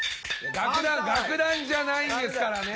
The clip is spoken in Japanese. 楽団楽団じゃないんですからね！